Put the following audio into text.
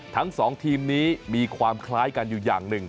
ทั้งสองทีมนี้มีความคล้ายกันอยู่อย่างหนึ่ง